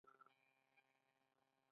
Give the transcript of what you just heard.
کلیوال سرکونه دولس متره حریم لري